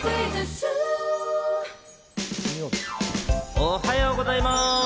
おはようございます！